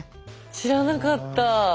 知らなかった。